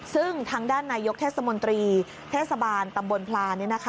ซึ่งทางด้านนายกเทศมนตรีเทศบาลตำบลพลา